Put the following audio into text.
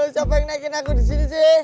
siapa yang naikin aku disini sih